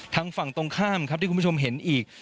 ทางฝั่งตรงข้ามที่คุณผู้ชมเห็นอีก